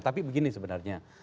tapi begini sebenarnya